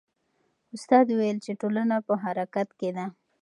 استاد وویل چې ټولنه په حرکت کې ده.